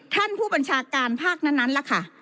ท่านผู้บัญชาการภาคนั้นล่ะค่ะ